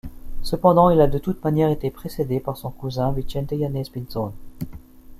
Cependant, il a de toute manière été précédé par son cousin Vicente Yanéz Pinzón.